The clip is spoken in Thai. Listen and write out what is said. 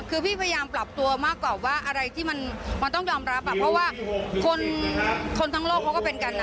คือพี่พยายามปรับตัวมากกว่าว่าอะไรที่มันต้องยอมรับเพราะว่าคนทั้งโลกเขาก็เป็นกันนะ